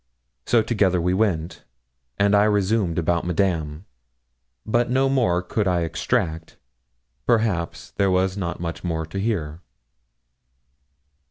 So together we went, and I resumed about Madame; but no more could I extract perhaps there was not much more to hear.